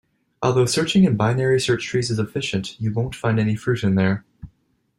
Although searching in binary search trees is efficient, you won't find any fruit in there.